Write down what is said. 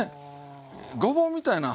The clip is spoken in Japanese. ごぼうみたいなん